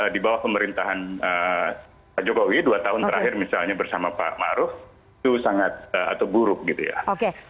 di bawah pemerintahan jokowi dua tahun terakhir bersama pak maruf itu sangat buruk